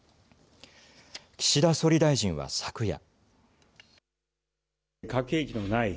岸田総理大臣は昨夜。